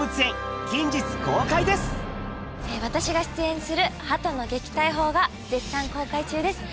私が出演する『鳩の撃退法』が絶賛公開中です。